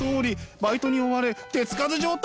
バイトに追われ手つかず状態！